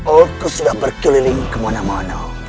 aku sudah berkeliling kemana mana